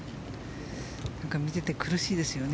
見てて苦しいですよね。